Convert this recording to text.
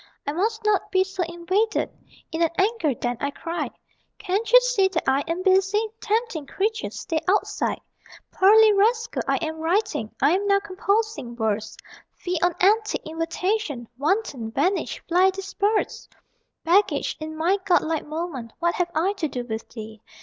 "I must not be so invaded," (In an anger then I cried) "Can't you see that I am busy? Tempting creature, stay outside! "Pearly rascal, I am writing: I am now composing verse Fie on antic invitation: Wanton, vanish fly disperse! "Baggage, in my godlike moment What have I to do with thee?"